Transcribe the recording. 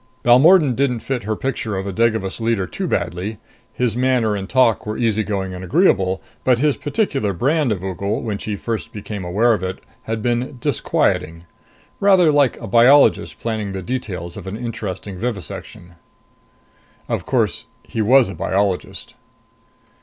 Balmordan didn't fit her picture of a Devagas leader too badly. His manner and talk were easygoing and agreeable. But his particular brand of ogle, when she first became aware of it, had been disquieting. Rather like a biologist planning the details of an interesting vivisection. Of course he was a biologist.